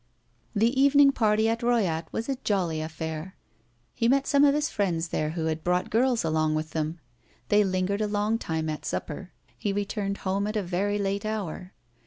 The evening party at Royat was a jolly affair. He met some of his friends there who had brought girls along with them. They lingered a long time at supper; he returned home at a very late hour.